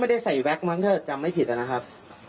ไม่ได้ใส่แวกมั้งเธอจำไม่ผิดนะครับ